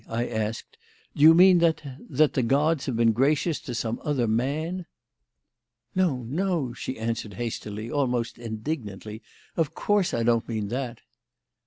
I asked. "Do you mean that that the gods have been gracious to some other man?" "No, no," she answered, hastily almost indignantly, "of course I don't mean that."